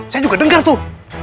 saya juga dengar tuh